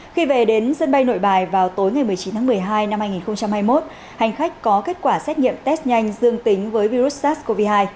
khi về đến sân bay nội bài vào tối ngày một mươi chín tháng một mươi hai năm hai nghìn hai mươi một hành khách có kết quả xét nghiệm test nhanh dương tính với virus sars cov hai